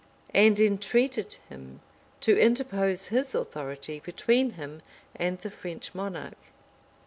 and entreated him to interpose his authority between him and the French monarch.